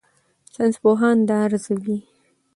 ساینسپوهان دا ارزوي.